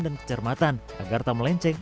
dan kecermatan agar tak melenceng